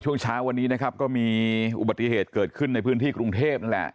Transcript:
ช่วงเช้าวันนี้นะครับก็มีอุบัติเหตุเกิดขึ้นในพื้นที่กรุงเทพนั่นแหละ